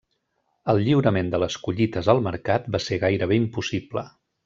El lliurament de les collites al mercat va ser gairebé impossible.